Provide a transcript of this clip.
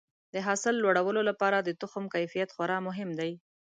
د حاصل لوړولو لپاره د تخم کیفیت خورا مهم دی.